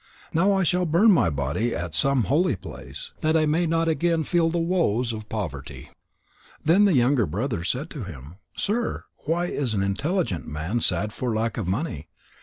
Now I shall burn my body at some holy place, that I may not again feel the woes of poverty." Then the younger brothers said to him: "Sir, why is an intelligent man sad for lack of money?